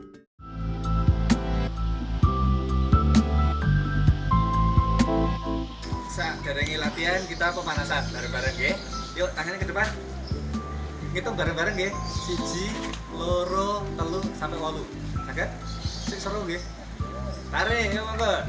tarik yuk mbak